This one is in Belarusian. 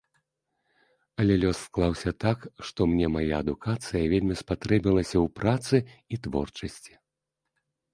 Але лёс склаўся так, што мне мая адукацыя вельмі спатрэбілася ў працы і творчасці.